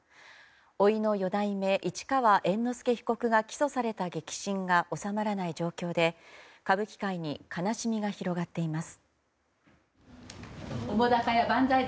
甥の四代目市川猿之助被告が起訴された激震が収まらない状況で歌舞伎界に悲しみが広がっています。